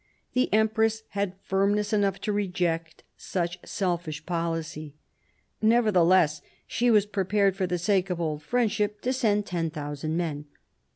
The empress had firmness enough to reject such selfish policy. Nevertheless she was prepared, for the sake of old friendship, to send 10,000 men.